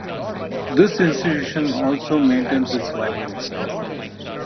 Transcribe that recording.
This institution also maintains its library.